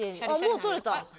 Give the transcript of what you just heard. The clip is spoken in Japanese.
あっもう取れた。